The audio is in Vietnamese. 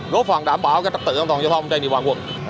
góp phần đảm bảo trật tự an toàn giao thông trên địa bàn quận